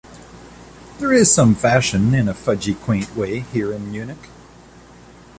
There is some fashion, in a fudgy quaint way, here in Munich.